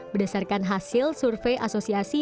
berdasarkan hasil survei asosiasi